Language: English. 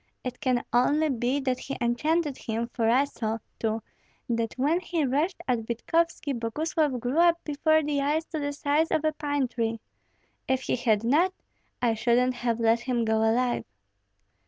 It can only be that he enchanted him, for I saw, too, that when he rushed at Vitkovski Boguslav grew up before the eyes to the size of a pine tree. If he had not, I shouldn't have let him go alive."